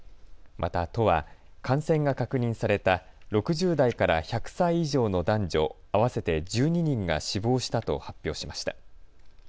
また都は感染が確認された６０代から１００歳以上の男女合わせて１２人が死亡したと発表しました。